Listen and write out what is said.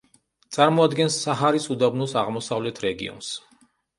წარმოადგენს საჰარის უდაბნოს აღმოსავლეთ რეგიონს.